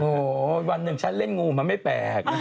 โอ้โหวันหนึ่งฉันเล่นงูมันไม่แปลก